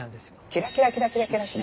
キラキラキラキラキラキラ。